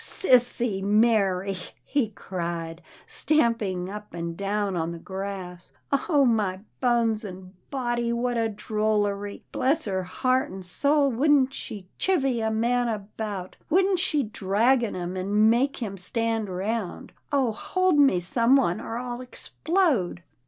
" Sissy marry !" he cried, stamping up and down on the grass, " Oh ! my bones and body, what a drollery — bless her heart and soul, wouldn't she chivy a man about — wouldn't she dragon him, and make him stand round! Oh! hold me some one, or I'll explode."